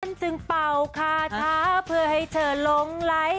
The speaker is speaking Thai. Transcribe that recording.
จึงเป่าคาถาเพื่อให้เธอหลงไหล